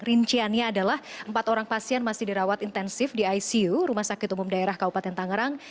rinciannya adalah empat orang pasien masih dirawat intensif di icu rumah sakit umum daerah kabupaten tangerang